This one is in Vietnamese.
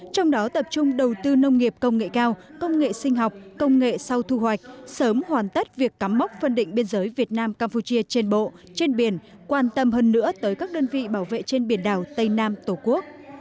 trong đó tập trung đầu tư nông nghiệp công nghệ cao công nghệ sinh học công nghệ sau thu hoạch sớm hoàn tất việc cắm mốc phân định biên giới việt nam campuchia trên bộ trên biển quan tâm hơn nữa tới các đơn vị bảo vệ trên biển đảo tây nam tổ quốc